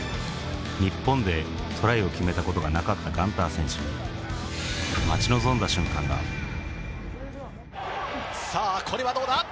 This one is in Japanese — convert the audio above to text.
日本でトライを決めたことがなかったガンター選手にさぁこれはどうだ？